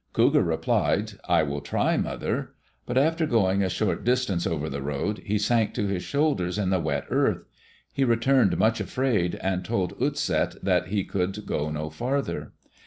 Cougar replied, "I will try, mother." But after going a short distance over the road, he sank to his shoulders in the wet earth. He returned much afraid and told Utset that he could go no farther.